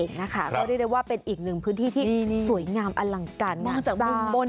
ของภูศิแล้วแต่ว่าเป็นอีกหนึ่งพื้นที่ที่สวยงามอลังกัน